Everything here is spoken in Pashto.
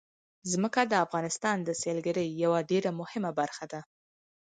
ځمکه د افغانستان د سیلګرۍ یوه ډېره مهمه برخه ده.